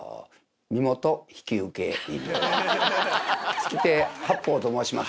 月亭八方と申します。